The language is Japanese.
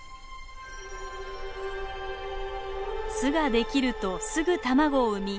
巣ができるとすぐ卵を産み